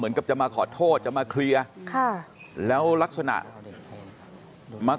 คุณกัลจอมพลังบอกจะมาให้ลบคลิปได้อย่างไร